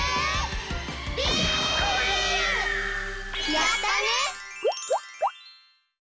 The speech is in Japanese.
やったね！